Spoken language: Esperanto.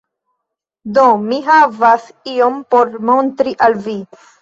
Do, mi havas ion por montri al vi